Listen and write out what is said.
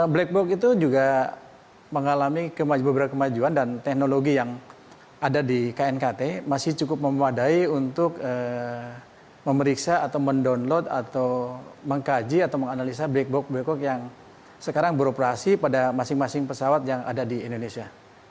black box itu juga mengalami beberapa kemajuan dan teknologi yang ada di knkt masih cukup memadai untuk memeriksa atau mendownload atau mengkaji atau menganalisa black box black box yang sekarang beroperasi pada masing masing pesawat yang ada di indonesia